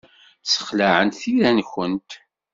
Ssexlaɛent tira-nwent.